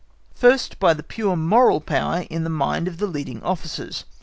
First by the pure moral power in the mind of the leading officers.